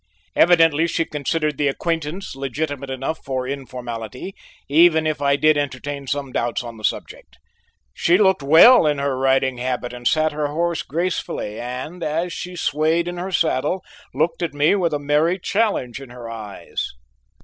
Evidently she considered the acquaintance legitimate enough for informality, even if I did entertain some doubts on the subject. She looked well in her riding habit and sat her horse gracefully, and as she swayed in her saddle, looked at me with a merry challenge in her eyes.